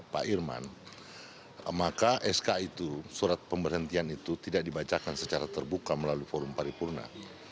pak irman maka sk itu surat pemberhentian itu tidak dibacakan secara terbuka melalui forum paripurna